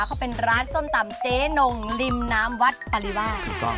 เขาเป็นร้านส้มตำเจ๊นงริมน้ำวัดปริวาส